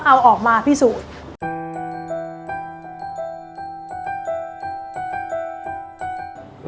เอาออกมาพิสูจน์